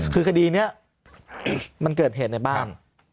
คือคดีนี้มันเกิดเหตุในบ้าน